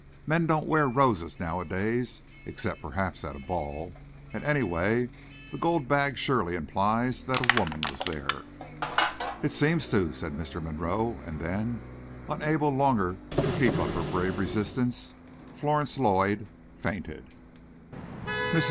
"Men don't wear roses nowadays, except perhaps at a ball; and, anyway, the gold bag surely implies that a woman was there!" "It seems to," said Mr. Monroe; and then, unable longer to keep up her brave resistance, Florence Lloyd fainted. Mrs.